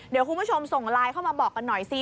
เดี๋ยวคุณผู้ชมส่งไลน์เข้ามาบอกกันหน่อยสิ